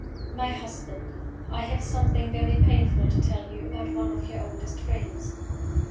"MY HUSBAND "I have something very painful to tell you about one of your oldest friends.